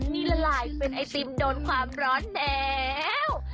นี่ละลายเป็นไอติมโดนความร้อนแล้ว